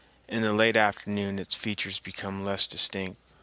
In the late afternoon its features become less distinct.